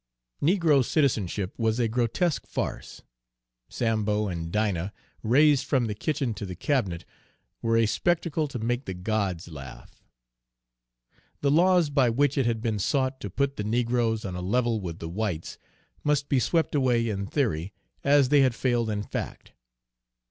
Negro citizenship was a grotesque farce Sambo and Dinah raised from the kitchen to the cabinet were a spectacle to make the gods laugh. The laws by which it had been sought to put the negroes on a level with the whites must be swept away in theory, as they had failed in fact.